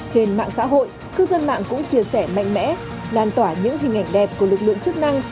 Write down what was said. trên mạng xã hội cư dân mạng cũng chia sẻ mạnh mẽ lan tỏa những hình ảnh đẹp của lực lượng chức năng